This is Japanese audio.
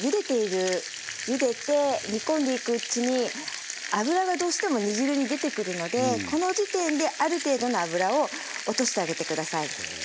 ゆでて煮込んでいくうちに脂がどうしても煮汁に出てくるのでこの時点である程度の脂を落としてあげて下さい。